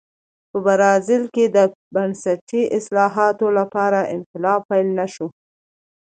په برازیل کې د بنسټي اصلاحاتو لپاره انقلاب پیل نه شو.